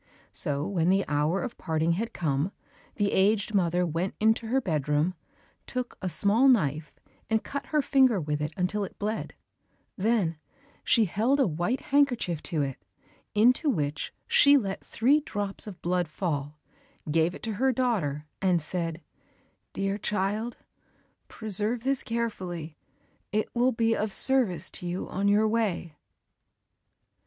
So when the hour of parting had come, the aged mother went into her bedroom, took a small knife and cut her finger with it until it bled, then she held a white handkerchief to it into which she let three drops of blood fall, gave it to her daughter and said, "Dear child, preserve this carefully, it will be of service to you on your way."